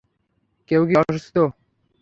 কেউ কি অসুস্থ?